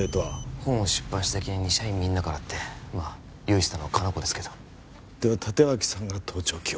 本を出版した記念に社員みんなからってまあ用意したのは香菜子ですけどでは立脇さんが盗聴器を？